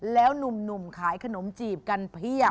แล้วหนุ่มขายขนมจีบกันเพียบ